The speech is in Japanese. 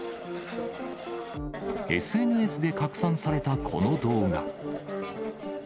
ＳＮＳで拡散されたこの動画。